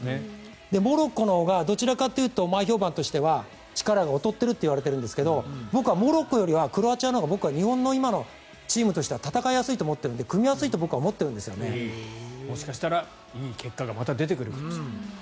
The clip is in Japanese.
モロッコのほうがどちらかというと前評判では力が劣っているといわれているんですが僕はモロッコよりはクロアチアのほうが日本の今のチームとしては戦いやすい、組みやすいともしかしたらいい結果がまた出てくるかもしれない。